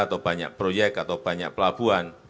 atau banyak proyek atau banyak pelabuhan